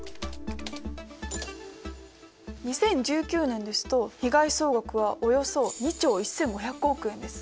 ２０１９年ですと被害総額はおよそ２兆１，５００億円です。